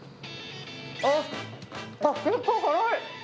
あ、結構辛い。